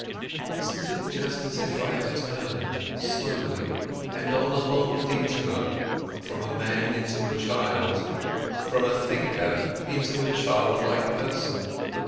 Isn't it just as if I had turned slowly and on a long detour from a man into a child, from a thinker into a childlike person?